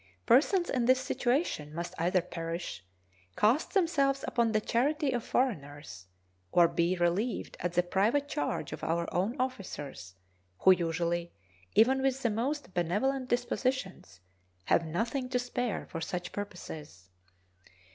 Persons in this situation must either perish, cast themselves upon the charity of foreigners, or be relieved at the private charge of our own officers, who usually, even with the most benevolent dispositions, have nothing to spare for such purposes.